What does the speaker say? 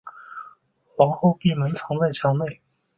皇后闭门藏在墙内。